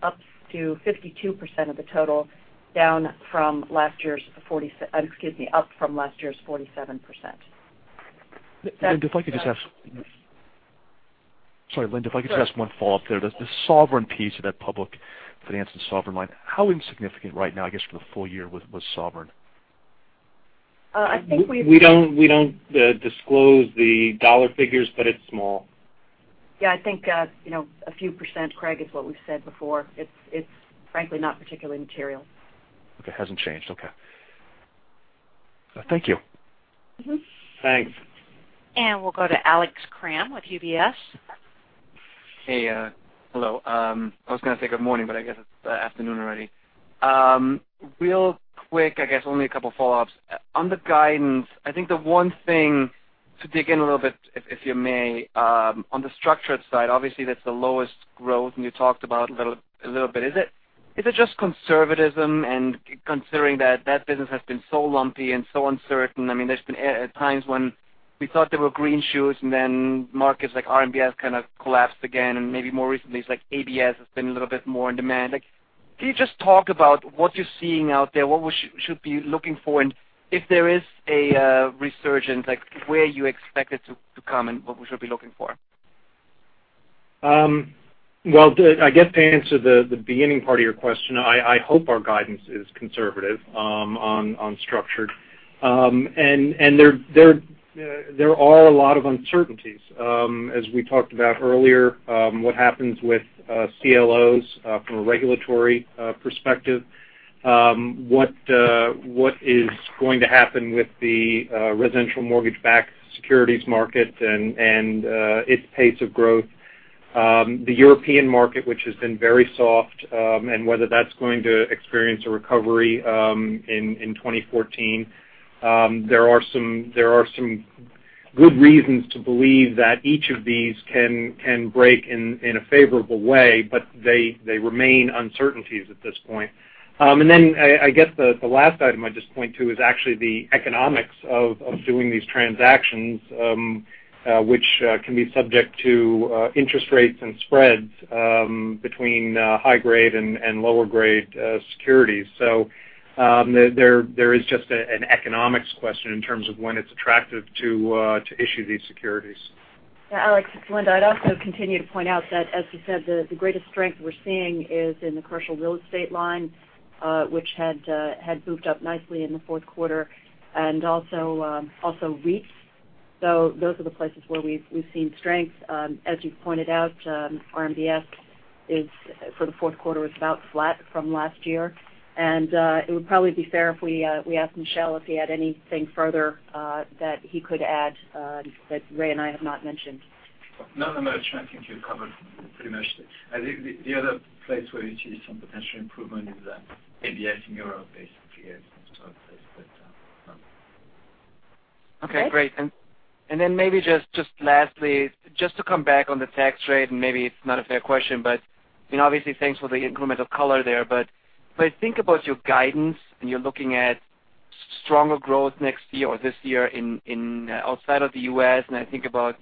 up to 52% of the total, up from last year's 47%. Linda, if I could just ask-. Sure. Sorry, Linda, if I could just ask one follow-up there. The sovereign piece of that public finance and sovereign line, how insignificant right now, I guess, for the full year was sovereign? I think we've-. We don't disclose the dollar figures, it's small. Yeah, I think a few %, Craig, is what we've said before. It's frankly not particularly material. Okay. Hasn't changed. Okay. Thank you. Thanks. We'll go to Alex Kramm with UBS. Hey. Hello. I was going to say good morning, but I guess it's afternoon already. Real quick, I guess only a couple follow-ups. On the guidance, I think the one thing to dig in a little bit, if you may, on the structured side, obviously that's the lowest growth, and you talked about a little bit. Is it just conservatism and considering that that business has been so lumpy and so uncertain? There's been times when we thought there were green shoots and then markets like RMBS kind of collapsed again, and maybe more recently, it's like ABS has been a little bit more in demand. Can you just talk about what you're seeing out there, what we should be looking for, and if there is a resurgence, where you expect it to come and what we should be looking for? Well, I guess to answer the beginning part of your question, I hope our guidance is conservative on structured. There are a lot of uncertainties. As we talked about earlier, what happens with CLOs from a regulatory perspective. What is going to happen with the residential mortgage-backed securities market and its pace of growth. The European market, which has been very soft, and whether that's going to experience a recovery in 2014. There are some good reasons to believe that each of these can break in a favorable way, but they remain uncertainties at this point. I guess the last item I'd just point to is actually the economics of doing these transactions, which can be subject to interest rates and spreads between high-grade and lower-grade securities. There is just an economics question in terms of when it's attractive to issue these securities. Yeah, Alex, it's Linda. I'd also continue to point out that, as you said, the greatest strength we're seeing is in the commercial real estate line, which had moved up nicely in the fourth quarter, and also REITs. Those are the places where we've seen strength. As you pointed out, RMBS for the fourth quarter was about flat from last year. It would probably be fair if we ask Michel if he had anything further that he could add that Ray and I have not mentioned. No, I think you've covered pretty much. I think the other place where you see some potential improvement is ABS in Europe, basically. Okay, great. Maybe just lastly, just to come back on the tax rate, and maybe it's not a fair question, but obviously, thanks for the incremental color there. When I think about your guidance, and you're looking at stronger growth next year or this year in outside of the U.S., and I think about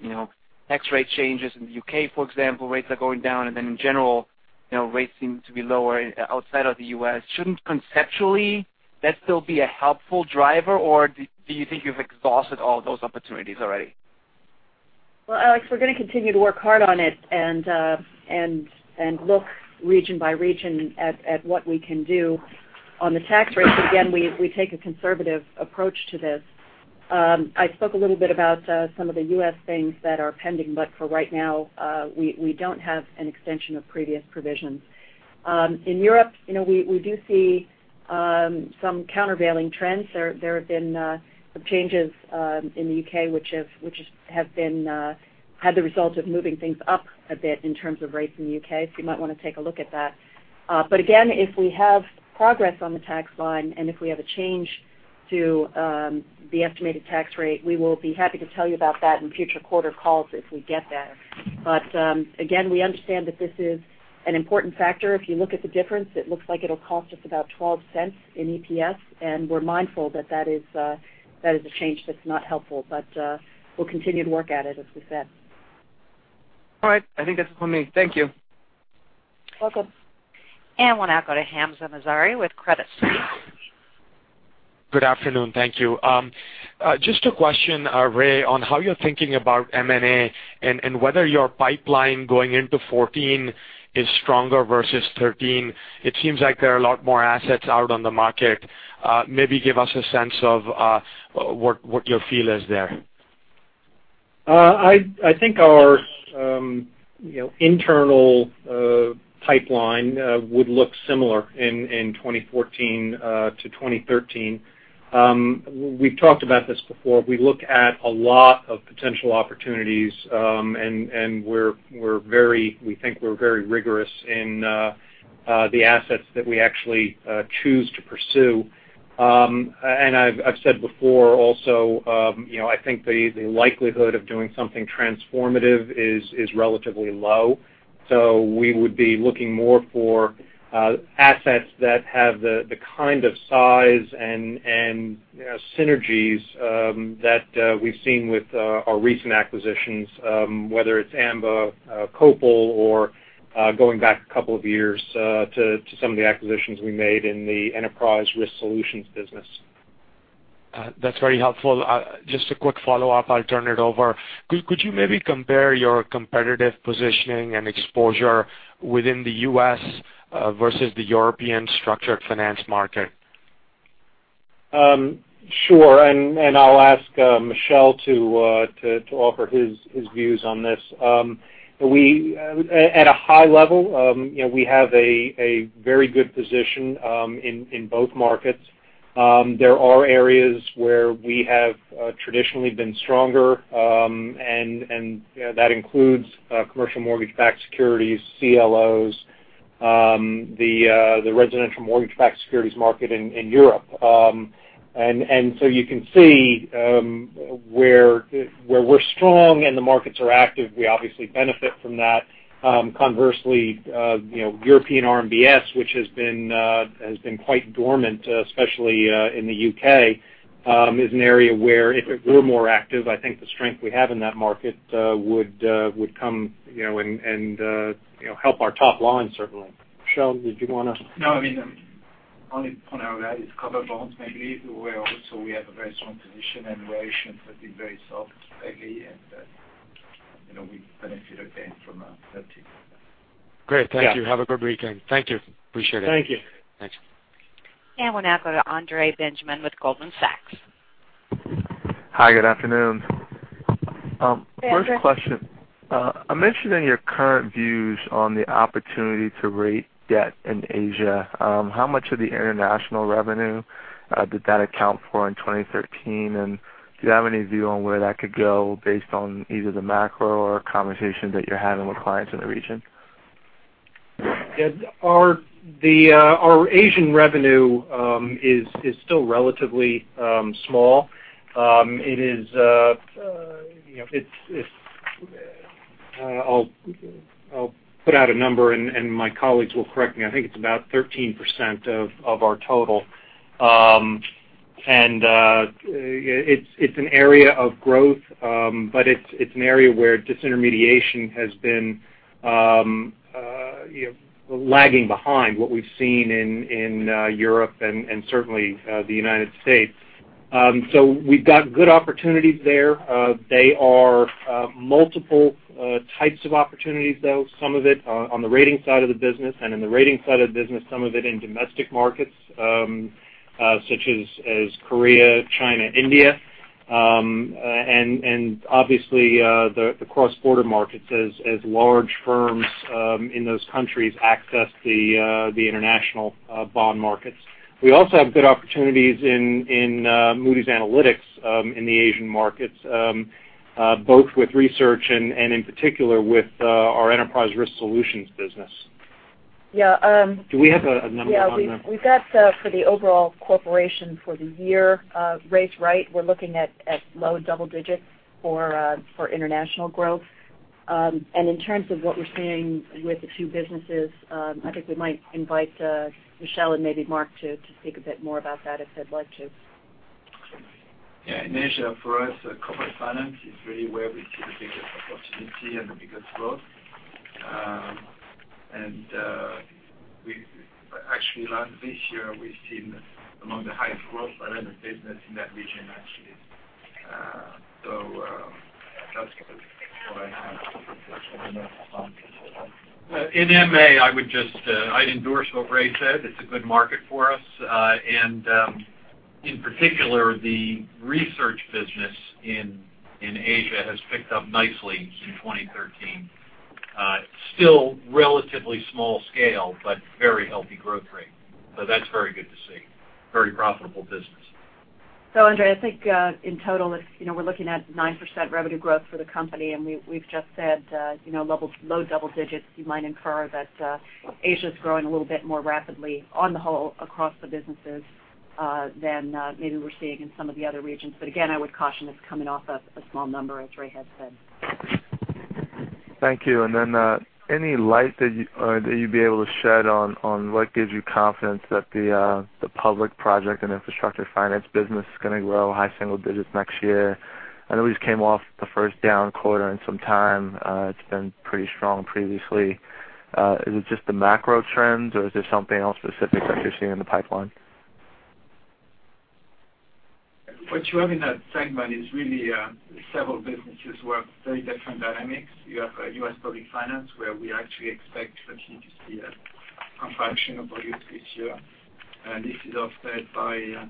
tax rate changes in the U.K., for example, rates are going down, then in general, rates seem to be lower outside of the U.S. Shouldn't conceptually that still be a helpful driver, or do you think you've exhausted all those opportunities already? Well, Alex, we're going to continue to work hard on it and look region by region at what we can do on the tax rate. Again, we take a conservative approach to this. I spoke a little bit about some of the U.S. things that are pending, but for right now, we don't have an extension of previous provisions. In Europe, we do see some countervailing trends. There have been some changes in the U.K., which have had the result of moving things up a bit in terms of rates in the U.K. You might want to take a look at that. Again, if we have progress on the tax line and if we have a change to the estimated tax rate, we will be happy to tell you about that in future quarter calls if we get there. Again, we understand that this is an important factor. If you look at the difference, it looks like it'll cost us about $0.12 in EPS, and we're mindful that that is a change that's not helpful. We'll continue to work at it, as we said. All right. I think that's all for me. Thank you. You're welcome. We'll now go to Hamzah Mazari with Credit Suisse. Good afternoon. Thank you. Just a question, Ray, on how you're thinking about M&A and whether your pipeline going into 2014 is stronger versus 2013. It seems like there are a lot more assets out on the market. Maybe give us a sense of what your feel is there. I think our internal pipeline would look similar in 2014 to 2013. We've talked about this before. We look at a lot of potential opportunities, and we think we're very rigorous in the assets that we actually choose to pursue. I've said before also I think the likelihood of doing something transformative is relatively low. We would be looking more for assets that have the kind of size and synergies that we've seen with our recent acquisitions, whether it's Amba, Copal, or going back a couple of years to some of the acquisitions we made in the Enterprise Risk Solutions business. That's very helpful. Just a quick follow-up, I'll turn it over. Could you maybe compare your competitive positioning and exposure within the U.S. versus the European structured finance market? Sure. I'll ask Michel to offer his views on this. At a high level, we have a very good position in both markets. There are areas where we have traditionally been stronger and that includes commercial mortgage-backed securities, CLOs, the residential mortgage-backed securities market in Europe. So you can see where we're strong and the markets are active, we obviously benefit from that. Conversely European RMBS, which has been quite dormant, especially in the U.K., is an area where if we're more active, I think the strength we have in that market would come and help our top line, certainly. Michel, did you want to- No, I mean, only to point out is covered bonds. Mainly, we have a very strong position, and ratios have been very soft lately, and we benefit again from that too. Great. Thank you. Have a good weekend. Thank you. Appreciate it. Thank you. Thanks. We'll now go to Andre Benjamin with Goldman Sachs. Hi, good afternoon. Andre. First question. Mentioning your current views on the opportunity to rate debt in Asia, how much of the international revenue did that account for in 2013? Do you have any view on where that could go based on either the macro or conversations that you're having with clients in the region? Our Asian revenue is still relatively small. I'll put out a number, and my colleagues will correct me. I think it's about 13% of our total. It's an area of growth, but it's an area where disintermediation has been lagging behind what we've seen in Europe and certainly the U.S. We've got good opportunities there. They are multiple types of opportunities, though. Some of it on the ratings side of the business. In the ratings side of the business, some of it in domestic markets such as Korea, China, India. Obviously, the cross-border markets as large firms in those countries access the international bond markets. We also have good opportunities in Moody's Analytics in the Asian markets, both with research and in particular with our Enterprise Risk Solutions business. Yeah. Do we have a number on that? Yeah. We've got for the overall corporation for the year, Ray's right, we're looking at low double digits for international growth. In terms of what we're seeing with the two businesses, I think we might invite Michel and maybe Mark to speak a bit more about that if they'd like to. Yeah. In Asia, for us, corporate finance is really where we see the biggest opportunity and the biggest growth. Actually last this year, we've seen among the highest growth finance business in that region, actually. That's what I have. I don't know if Mark wants to say more. In M&A, I'd endorse what Ray said. It's a good market for us. In particular, the research business in Asia has picked up nicely in 2013. Still relatively small scale, but very healthy growth rate. That's very good to see. Very profitable business. Andre, I think, in total, we're looking at 9% revenue growth for the company, and we've just said low double digits. You might infer that Asia's growing a little bit more rapidly on the whole across the businesses, than maybe we're seeing in some of the other regions. Again, I would caution it's coming off a small number, as Ray has said. Thank you. Any light that you'd be able to shed on what gives you confidence that the public project and infrastructure finance business is going to grow high single digits next year? I know we just came off the first down quarter in some time. It's been pretty strong previously. Is it just the macro trends, or is there something else specific that you're seeing in the pipeline? What you have in that segment is really several businesses who have very different dynamics. You have U.S. public finance, where we actually expect continue to see a contraction of volumes this year. This is offset by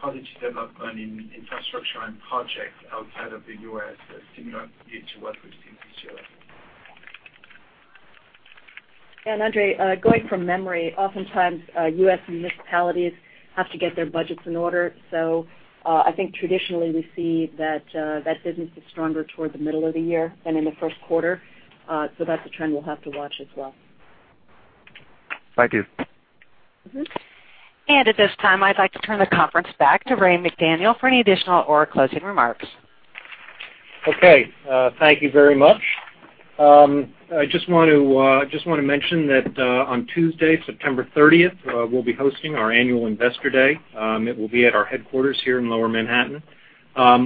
positive development in infrastructure and projects outside of the U.S., similar to what we've seen this year. Andrew, going from memory, oftentimes, U.S. municipalities have to get their budgets in order. I think traditionally we see that that business is stronger toward the middle of the year than in the first quarter. That's a trend we'll have to watch as well. Thank you. At this time, I'd like to turn the conference back to Raymond McDaniel for any additional or closing remarks. Okay. Thank you very much. I just want to mention that on Tuesday, September 30th, we'll be hosting our annual Investor Day. It will be at our headquarters here in Lower Manhattan.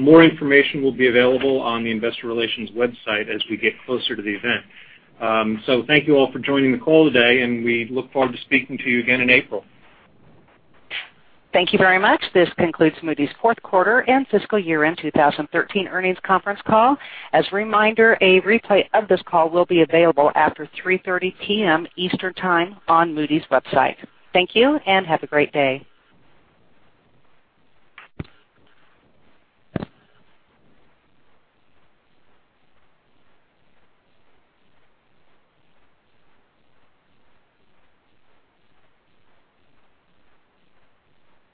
More information will be available on the investor relations website as we get closer to the event. Thank you all for joining the call today, and we look forward to speaking to you again in April. Thank you very much. This concludes Moody's fourth quarter and fiscal year-end 2013 earnings conference call. As a reminder, a replay of this call will be available after 3:30 P.M. Eastern Time on Moody's website. Thank you, and have a great day.